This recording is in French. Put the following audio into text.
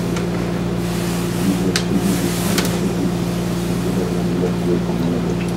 Plusieurs studios de cinéma soviétiques y sont également évacués pendant la guerre.